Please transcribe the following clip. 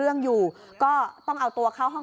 พอหลังจากเกิดเหตุแล้วเจ้าหน้าที่ต้องไปพยายามเกลี้ยกล่อม